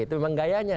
itu memang gayanya